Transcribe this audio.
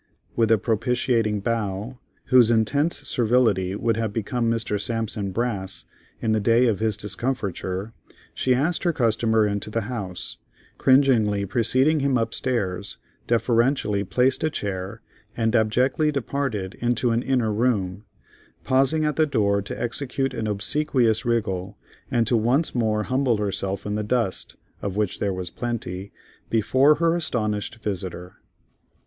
With a propitiating bow, whose intense servility would have become Mr. Sampson Brass in the day of his discomfiture, she asked her customer into the house, cringingly preceded him up stairs, deferentially placed a chair, and abjectly departed into an inner room, pausing at the door to execute an obsequious wriggle, and to once more humble herself in the dust (of which there was plenty) before her astonished visitor.